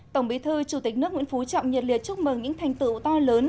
tổng bí thư chủ tịch nước nguyễn phú trọng nhiệt liệt chúc mừng những thành tựu to lớn